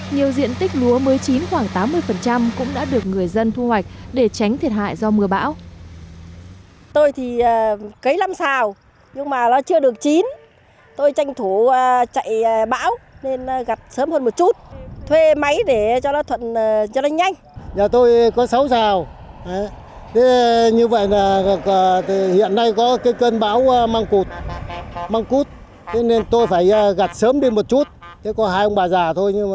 nhiều diện tích lúa mới chín khoảng tám mươi cũng đã được người dân thu hoạch để tránh thiệt hại do mưa bão